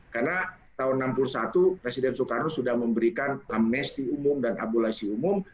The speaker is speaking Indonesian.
karena tahun seribu sembilan ratus enam puluh satu presiden soekarno sudah memberikan amnesti umum dan abolisi umum